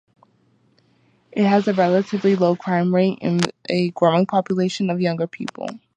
It has a relatively low crime rate and a growing population of younger people.